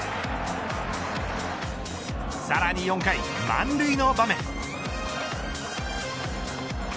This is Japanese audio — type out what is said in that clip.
さらに４回、満塁の場面。